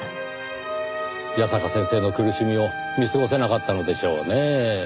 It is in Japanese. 矢坂先生の苦しみを見過ごせなかったのでしょうねぇ。